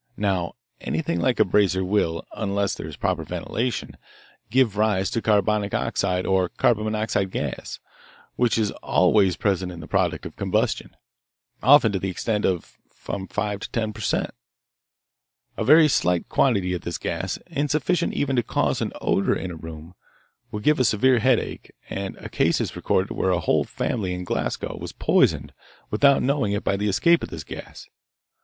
Now, anything like a brazier will, unless there is proper ventilation, give rise to carbonic oxide or carbon monoxide gas, which is always present in the products of combustion, often to the extent of from five to ten per cent. A very slight quantity of this gas, insufficient even to cause an odour in a room, will give a severe headache, and a case is recorded where a whole family in Glasgow was poisoned without knowing it by the escape of this gas.